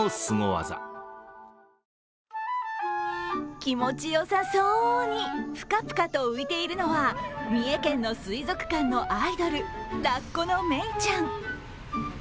気持ちよさそうにプカプカと浮いているのは、三重県の水族館のアイドル、ラッコのメイちゃん。